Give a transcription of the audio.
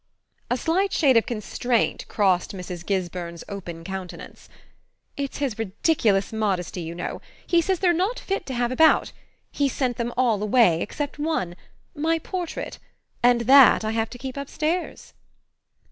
A slight shade of constraint crossed Mrs. Gisburn's open countenance. "It's his ridiculous modesty, you know. He says they're not fit to have about; he's sent them all away except one my portrait and that I have to keep upstairs."